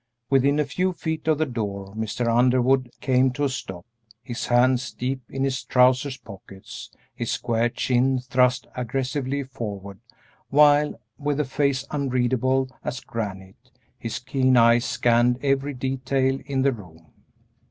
Within a few feet of the door Mr. Underwood came to a stop, his hands deep in his trousers pockets, his square chin thrust aggressively forward, while, with a face unreadable as granite, his keen eyes scanned every detail in the room.